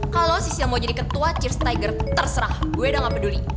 kalau sisi yang mau jadi ketua cheers tiger terserah gue udah gak peduli